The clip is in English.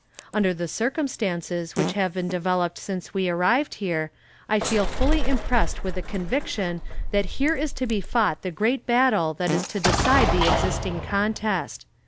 "Under the circumstances which have been developed since we arrived here, I feel fully impressed with the conviction that here is to be fought the great battle that is to decide the existing contest.